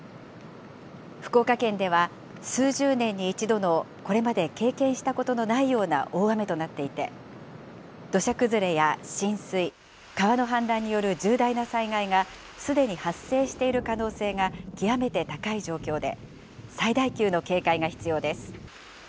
福岡県では、数十年に一度のこれまで経験したことのないような大雨となっていて、土砂崩れや浸水、川の氾濫による重大な災害がすでに発生している可能性が極めて高い状況で、最大級の警戒が必要です。